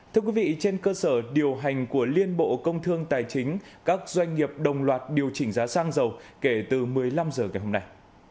thưa quý vị trên cơ sở điều hành của liên bộ công thương tài chính các doanh nghiệp đồng loạt điều chỉnh giá xăng dầu kể từ một mươi năm h ngày hôm nay